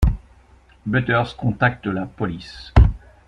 Butters contacte la police.